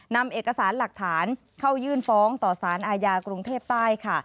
นำเอกสารหลักฐานเข้ายื่นฟ้องต่อสารอาญากรุงเทพใต้ค่ะ